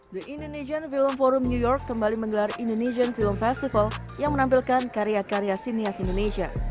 the indonesian film forum new york kembali menggelar indonesian film festival yang menampilkan karya karya sinias indonesia